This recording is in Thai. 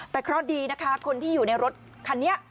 แต่เคราะห์ดีนะคะคนที่อยู่ในรถคันนี้